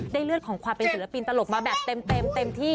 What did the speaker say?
เลือดของความเป็นศิลปินตลกมาแบบเต็มที่